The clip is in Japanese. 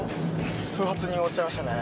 不発に終わっちゃいましたね。